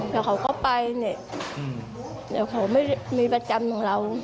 แต่เขาก็ไปเนี่ยแต่เขาไม่มีประจำของเรา